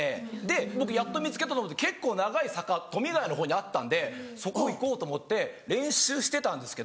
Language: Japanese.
僕やっと見つけたと思って結構長い坂富ヶ谷のほうにあったんでそこ行こうと思って練習してたんですけど。